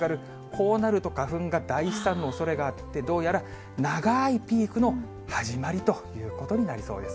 こうなると、花粉が大飛散のおそれがあって、どうやら長いピークの始まりということになりそうです。